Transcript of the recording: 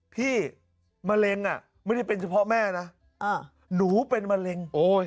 พี่มะเร็งอ่ะไม่ได้เป็นเพราะพ่อแม่นะหนูเป็นมะเร็ง